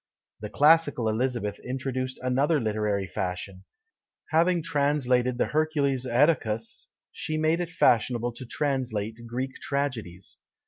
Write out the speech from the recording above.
The classical Elizabeth introduced another literary fashion; having translated the Hercules Oetacus, she made it fashionable to translate Greek tragedies.